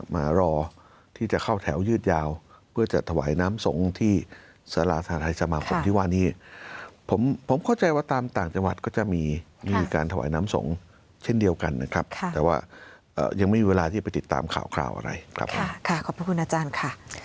ข้าราชการทุกหน่วยงานที่มีจำนวนมากต่างอยู่ในความสูเสียอันใหญ่หลวงหลายคนไปทำงานด้วยน้ำตานะคะแต่ต่างก็ต้องยอมรับความสุดท้ายค่ะ